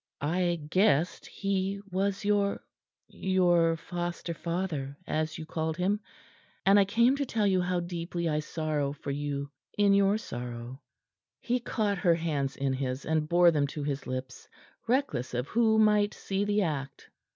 I guessed he was your your foster father, as you called him; and I came to tell you how deeply I sorrow for you in your sorrow." He caught her hands in his and bore them to his lips, reckless of who might see the act.